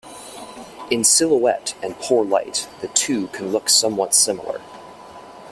In silhouette and poor light, the two can look somewhat similar.